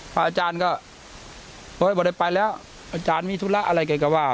พออาจารย์ก็เฮ้ยวันเดียวไปแล้วอาจารย์มีธุระอะไรไกลก็ว่า